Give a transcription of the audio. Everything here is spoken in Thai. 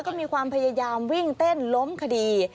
ก็มีความพยายามวิ่งเต้นล้มคดี